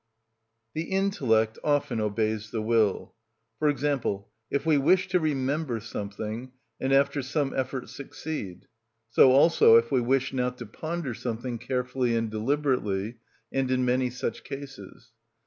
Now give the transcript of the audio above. The intellect often obeys the will; for example, if we wish to remember something, and after some effort succeed; so also if we wish now to ponder something carefully and deliberately, and in many such cases.